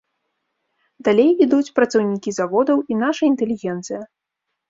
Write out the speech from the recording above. Далей ідуць працаўнікі заводаў і наша інтэлігенцыя.